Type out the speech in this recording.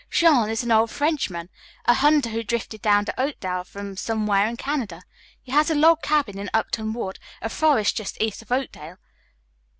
"Jean is an old Frenchman, a hunter who drifted down to Oakdale from somewhere in Canada. He has a log cabin in Upton Wood, a forest just east of Oakdale.